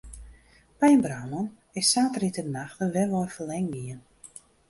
By in brân is saterdeitenacht in wenwein ferlern gien.